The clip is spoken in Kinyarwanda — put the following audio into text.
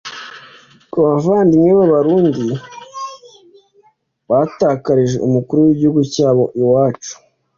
Ku bavandimwe b’Abarundi batakarije umukuru w’igihugu cyabo iwacu